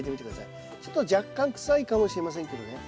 ちょっと若干臭いかもしれませんけどね。